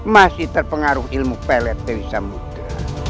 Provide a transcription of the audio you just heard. masih terpengaruh ilmu pelet dewasa muda